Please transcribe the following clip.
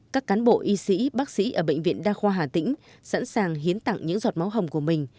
các cán bộ y sĩ bác sĩ ở bệnh viện đa khoa hà tĩnh sẵn sàng hiến tặng những giọt máu hồng của mình